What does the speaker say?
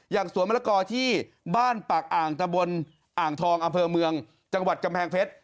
สวนมะละกอที่บ้านปากอ่างตะบนอ่างทองอำเภอเมืองจังหวัดกำแพงเพชร